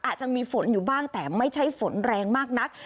อาจจะมีฝนอยู่บ้างแต่ไม่ใช่ฝนแรงมากนัก